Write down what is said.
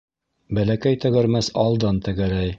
Бәләкәй тәгәрмәс алдан тәгәрәй.